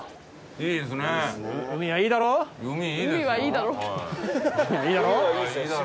いいだろ？